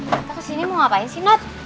kita kesini mau ngapain sih not